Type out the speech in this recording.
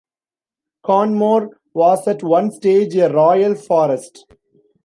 Quernmore was at one stage a Royal Forest.